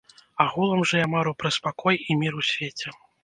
Агулам жа я мару пра спакой і мір у свеце.